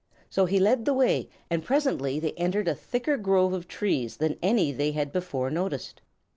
So he led the way and presently they entered a thicker grove of trees than any they had before noticed.